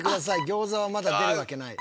餃子はまだ出るわけない。